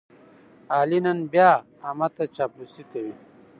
علي نن بیا احمد ته چاپلوسي کوي.